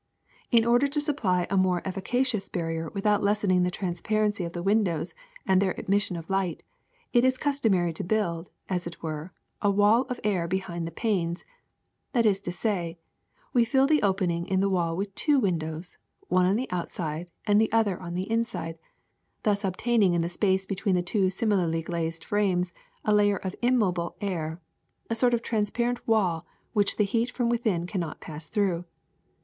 In order to supply a more efficacious barrier without lessening the transparency of the windows and their admission of light, it is customary to build, as it were, a wall of air behind the panes; that is to say, we fill the opening in the wall with two windows, one on the out side and the other on the inside, thus obtaining in the space between the two similarly glazed frames a layer of immobile air, a sort of transparent wall which the heat from within cannot pass through.